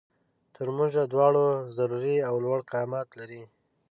تر مونږ دواړو ضروري او لوړ قامت لري